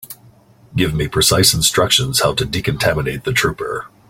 Give me precise instructions how to decontaminate the trooper.